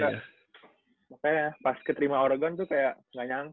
makanya pas keterima oregon tuh kayak gak nyangka